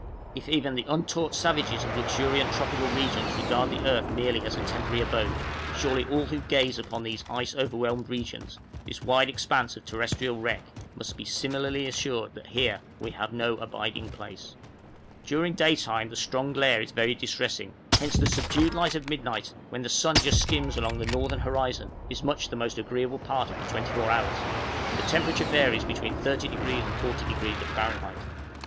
If even the untaught savages of luxuriant tropical regions regard the earth merely as a temporary abode, surely all who gaze upon this ice overwhelmed region, this wide expanse of "terrestrial wreck," must be similarly assured that here "we have no abiding place." {GREAT GLACIER OF GREENLAND.} During daytime the strong glare is very distressing, hence the subdued light of midnight, when the sun just skims along the northern horizon, is much the most agreeable part of the twenty four hours; the temperature varies between 30° and 40° of Fahrenheit.